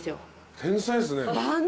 天才っすね。